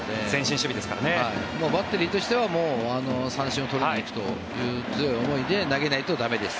バッテリーとしては三振を取りに行くという強い思いで投げないと駄目です。